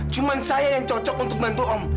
cuma saya yang cocok untuk bantu om